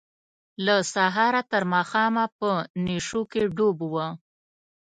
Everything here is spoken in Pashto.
له سهاره تر ماښامه په نشو کې ډوب وه.